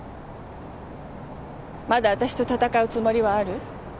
まだ私と闘うつもりはある？